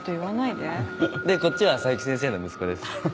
でこっちは冴木先生の息子です。